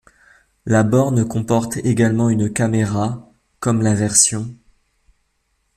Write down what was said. La borne comporte également une caméra, comme la version '.